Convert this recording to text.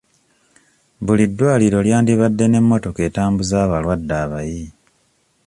Buli ddwaliro lyandibadde n'emmotoka etambuza abalwadde abayi.